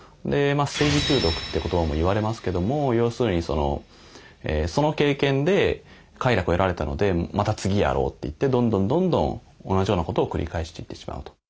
「正義中毒」って言葉も言われますけども要するにその経験で快楽を得られたのでまた次やろうといってどんどんどんどん同じようなことを繰り返していってしまうと。